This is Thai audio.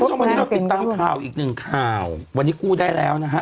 ต้องติดตามข่าวอีกหนึ่งข่าววันนี้กู้ได้แล้วนะฮะ